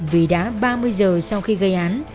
vì đã ba mươi giờ sau khi gây án